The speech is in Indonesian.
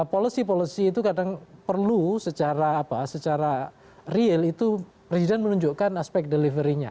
policy policy itu kadang perlu secara real itu presiden menunjukkan aspek delivery nya